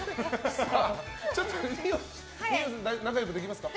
ちょっと二葉さん仲良くできますか？